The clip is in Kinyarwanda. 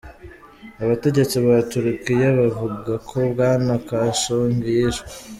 Abategetsi ba Turukiya bavuga ko Bwana Khashoggi yishwe.